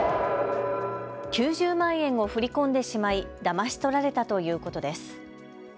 ９０万円を振り込んでしまいだまし取られたということです。